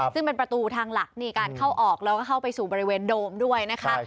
ซึ่งเป็นประตูทางหลักนี่การเข้าออกแล้วก็เข้าไปสู่บริเวณโดมด้วยนะคะ